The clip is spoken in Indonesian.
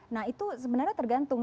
nah itu sebenarnya tergantung